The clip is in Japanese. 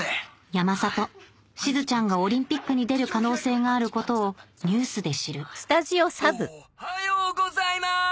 山里しずちゃんがオリンピックに出る可能性があることをニュースで知るおはようございます！